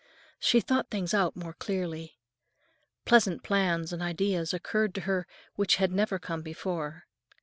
She thought things out more clearly. Pleasant plans and ideas occurred to her which had never come before.